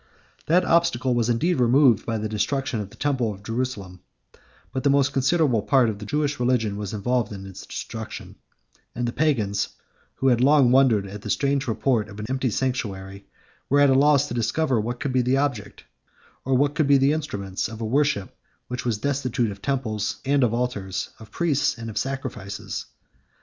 12 That obstacle was indeed removed by the destruction of the temple of Jerusalem; but the most considerable part of the Jewish religion was involved in its destruction; and the Pagans, who had long wondered at the strange report of an empty sanctuary, 13 were at a loss to discover what could be the object, or what could be the instruments, of a worship which was destitute of temples and of altars, of priests and of sacrifices.